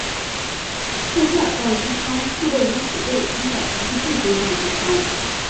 赫歇尔撞击坑是位于土卫一的一个巨型撞击坑。